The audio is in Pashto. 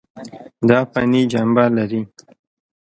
دا فني جنبه لري.